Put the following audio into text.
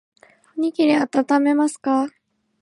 おにぎりあたためますか